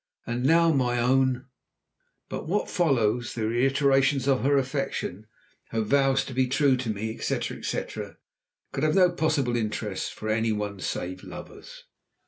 And now, my own " But what follows, the reiterations of her affection, her vows to be true to me, etc., etc., could have no possible interest for any one save lovers.